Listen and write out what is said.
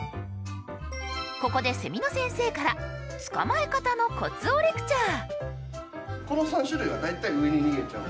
ここでセミの先生から捕まえ方のコツをレクチャー。